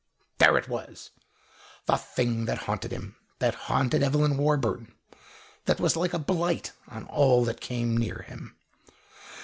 There it was, the thing that haunted him, that haunted Evelyn Warburton, that was like a blight on all that came near him.